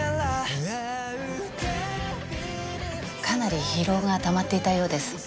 かなり疲労がたまっていたようです。